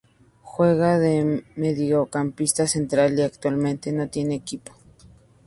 Juega de mediocampista central y actualmente no tiene equipo.